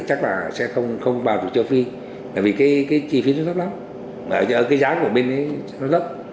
chắc là sẽ không vào được châu phi bởi vì cái chi phí rất thấp lắm cái giá của bên đó rất thấp